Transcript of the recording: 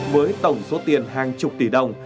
với tổng số tiền hàng chục tỷ đồng